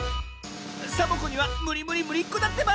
サボ子にはむりむりむりっこだってば。